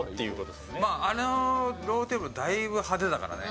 あのローテーブルだいぶ派手だからね。